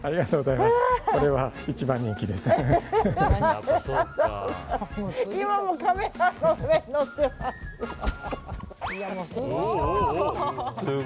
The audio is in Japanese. これは一番人気です。